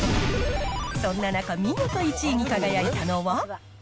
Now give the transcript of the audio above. そんな中、見事１位に輝いたのは。